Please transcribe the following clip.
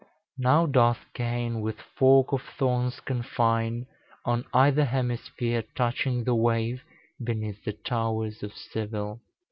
Now doth Cain with fork of thorns confine, On either hemisphere, touching the wave Beneath the towers of Seville.